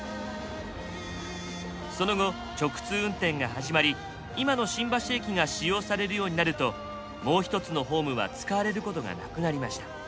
その後直通運転が始まり今の新橋駅が使用されるようになるともう一つのホームは使われることがなくなりました。